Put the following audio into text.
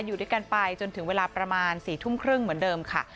อยู่ด้วยกันไปจนถึงเวลาประมาณ๔ทุ่มครึ่งเหมือนเดิมค่ะ